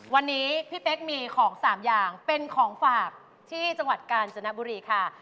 วันนี้พี่เป๊กมีของ๓อย่างเป็นของฝากที่จังหวัดกาญจนบุรีค่ะ